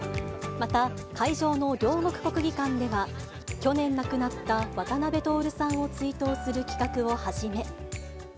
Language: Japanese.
また、会場の両国国技館では、去年亡くなった渡辺徹さんを追悼する企画をはじめ。